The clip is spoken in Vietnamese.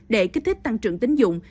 để kích thích tăng trưởng tín dụng